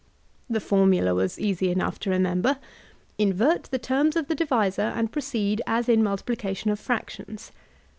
The formula was easy enough to remember; ''Invert the terms of the divisor and proceed as in multiplication of fractions.